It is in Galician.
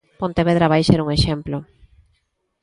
Pontevedra vai ser un exemplo.